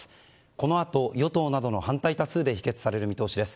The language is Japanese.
このあと、与党などの反対多数で否決される見通しです。